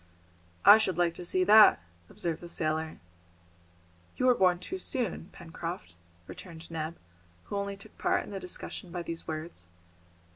"I should like to see that," observed the sailor. "You were born too soon, Pencroft," returned Neb, who only took part in the discussion by these words.